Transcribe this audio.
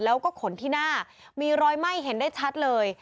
แล้วก็ขนที่หน้ามีรอยไหม้เห็นได้ชัดเลย